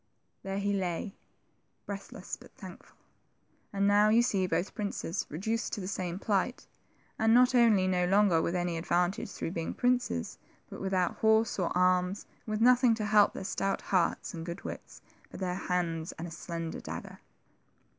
There he lay, breathless but thankful; and now you see both princes reduced to the same plight, and not only no longer with any advantage through being princes, but without horse or arms, and with nothing to help their stout hearts and good wits but their hands and a slender dagger